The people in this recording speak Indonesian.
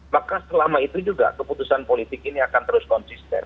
maka selama itu juga keputusan politik ini akan terus konsisten